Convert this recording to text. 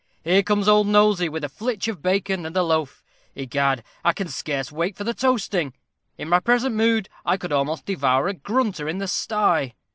Here comes Old Nosey, with a flitch of bacon and a loaf. Egad, I can scarce wait for the toasting. In my present mood, I could almost devour a grunter in the sty."